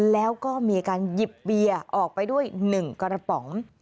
แล้วก็มีการหยิบเบียร์ออกไปด้วย๑กระป๋อง